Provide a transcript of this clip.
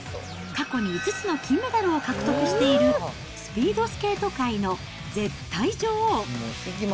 過去に５つの金メダルを獲得している、スピードスケート界の絶対女王。